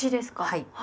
はい。